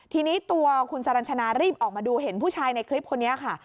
ทีนี้ตัวคุณสรรชนะรีบออกมาดูเห็นผู้ชายในคลิปคนนี้ค่ะ